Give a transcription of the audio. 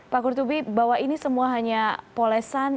pak kurtubi bahwa ini semua hanya polesan